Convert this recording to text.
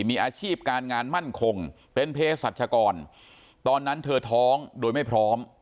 มีอาชีพการงานมั่นคงเป็นเพศรัชกรตอนนั้นเธอท้องโดยไม่พร้อม